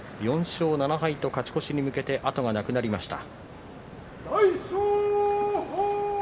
４勝７敗と勝ち越しに向けて後がなくなりました。